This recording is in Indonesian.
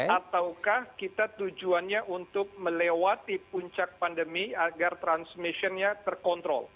ataukah kita tujuannya untuk melewati puncak pandemi agar transmissionnya terkontrol